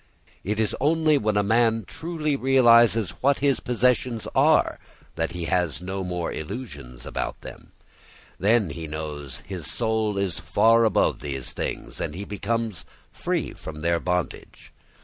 It is only when a man truly realises what his possessions are that he has no more illusions about them; then he knows his soul is far above these things and he becomes free from their bondage.